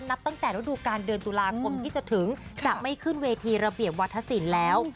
นับตั้งแต่ฤดูการเดือนตุลาคมที่จะถึงจะไม่ขึ้นเวทีระเบียบวัฒนศิลป์แล้ว